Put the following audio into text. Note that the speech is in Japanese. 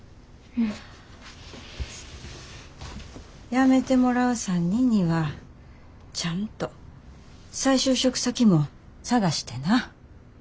辞めてもらう３人にはちゃんと再就職先も探してな。